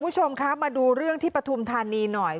คุณผู้ชมคะมาดูเรื่องที่ปฐุมธานีหน่อย